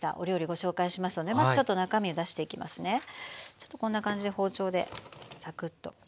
ちょっとこんな感じで包丁でざくっと切って。